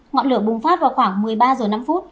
ngọn lửa bùng phát vào khoảng một mươi ba h năm